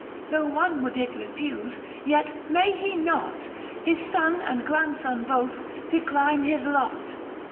Tho' one would it refuse, yet may he not — He son and grandson both — decline his lot.